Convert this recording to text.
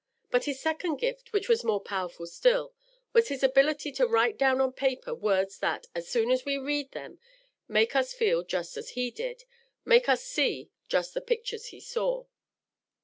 But his second gift, which was more wonderful still, was his ability to write down on paper words that, as soon as we read them, make us feel just as he did, make us see just the pictures he saw.